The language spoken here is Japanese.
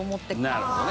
なるほどね。